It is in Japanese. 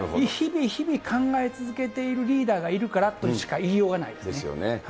日々、日々、考え続けているリーダーがいるからとしか言いようがですよね。